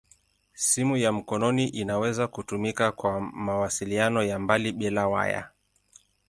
Simu ya mkononi inaweza kutumika kwa mawasiliano ya mbali bila waya.